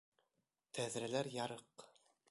Тәҙрәләр ярыҡ...